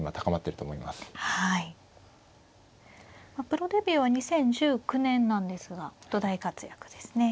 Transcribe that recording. プロデビューは２０１９年なんですが本当大活躍ですね。